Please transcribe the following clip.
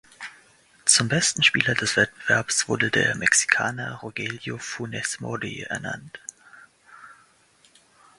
Zum besten Spieler des Wettbewerbs wurde der Mexikaner Rogelio Funes Mori ernannt.